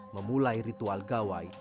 memulai ritual gawai